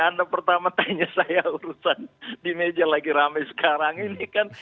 anda pertama tanya saya urusan di meja lagi rame sekarang ini kan